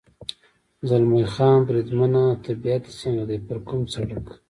زلمی خان: بریدمنه، طبیعت دې څنګه دی؟ پر کوم سړک.